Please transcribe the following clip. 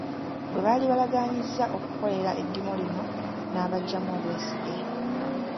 Gwe baali balaganyizza okukolera eddimo lino n'abaggyamu obw’esige.